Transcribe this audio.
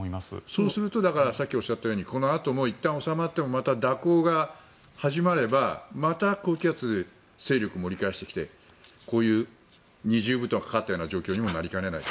そうするとさっきおっしゃったようにこのあとも、いったん収まってもまた蛇行が始まればまた高気圧が勢力を盛り返してきてこういう二重布団がかかった状況になりかねない。